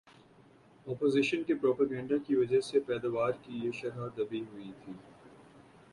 opposition کے propaganda کی وجہ سے پیداوار کی یہ شرح دبی ہوئی تھی